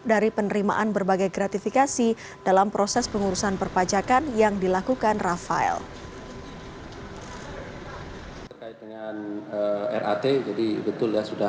dari penerimaan berbagai gratifikasi dalam proses pengurusan perpajakan yang dilakukan rafael